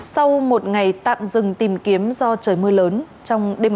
sau một ngày tạm dừng tìm kiếm do trời mưa lớn trong đêm ngày hôm qua ngày một mươi năm tháng một mươi